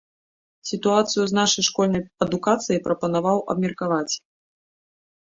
Сітуацыю з нашай школьнай адукацыяй прапанаваў абмеркаваць.